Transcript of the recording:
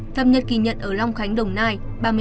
thấp nhất kỳ nhận ở long khánh đồng nai ba mươi ba một